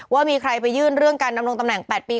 ว่ามีใครไปยื่นเรื่องการดำรงตำแหน่ง๘ปี